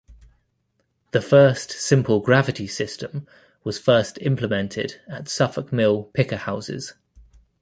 The first simple gravity system was first implemented at the Suffolk Mill Picker Houses.